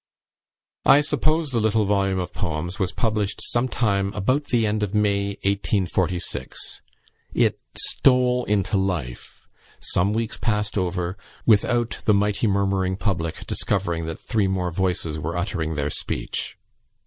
I suppose the little volume of poems was published some time about the end of May, 1846. It stole into life; some weeks passed over, without the mighty murmuring public discovering that three more voices were uttering their speech.